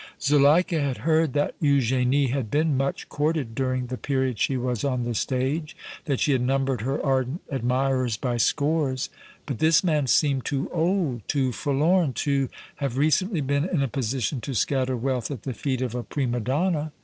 Zuleika had heard that Eugénie had been much courted during the period she was on the stage, that she had numbered her ardent admirers by scores, but this man seemed too old, too forlorn, to have recently been in a position to scatter wealth at the feet of a prima donna.